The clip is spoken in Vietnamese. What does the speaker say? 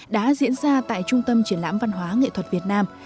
đã diễn ra tại trung tâm triển lãm văn hóa nghệ thuật việt nam